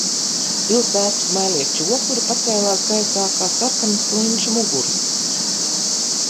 Pils ēku smailie čokuri pacēlās gaisā kā sarkanas klinšu muguras.